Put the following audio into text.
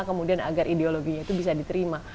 kemudian agar ideologinya itu bisa diterima